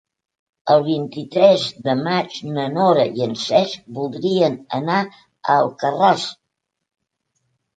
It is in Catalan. El vint-i-tres de maig na Nora i en Cesc voldrien anar a Alcarràs.